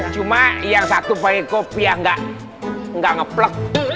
cuma yang satu pake kopi yang gak ngeplek